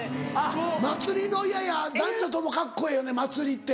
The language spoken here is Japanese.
祭りのいやいや男女ともカッコええよね祭りって。